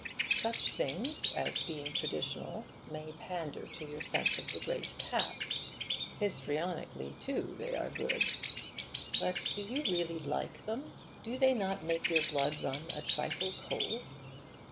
Such things, as being traditional, may pander to your sense of the great past. Histrionically, too, they are good. But do you really like them? Do they not make your blood run a trifle cold?